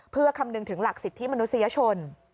เพื่อคำนึงถึงหลักสิทธิมนุษยชน